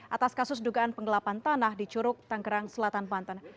atas kasus dugaan penggelapan tanah di curug tanggerang selatan banten